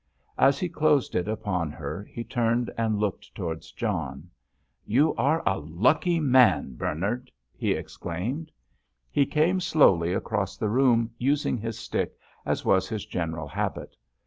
As he closed it upon her he turned and looked towards John. "You are a lucky man, Bernard!" he exclaimed. He came slowly across the room, using his stick, as was his general habit.